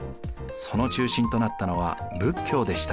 その中心となったのは仏教でした。